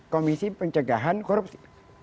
komisi pencegahan korupsi